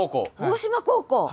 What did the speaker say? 大島高校。